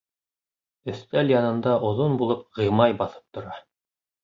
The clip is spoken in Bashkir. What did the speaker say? Өҫтәл янында оҙон булып Ғимай баҫып тора.